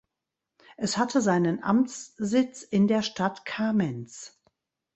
Es hatte seinen Amtssitz in der Stadt Kamenz.